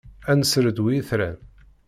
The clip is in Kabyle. Ad nesredwi itran.